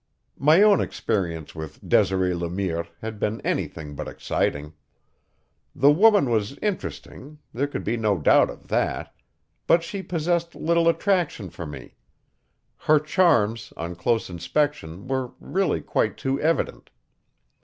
My own experience with Desiree Le Mire had been anything but exciting. The woman was interesting; there could be no doubt of that; but she possessed little attraction for me. Her charms, on close inspection, were really quite too evident.